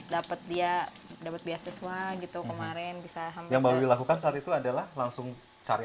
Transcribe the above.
dapat dia dapat beasiswa gitu kemarin bisa hampir lakukan saat itu adalah langsung cari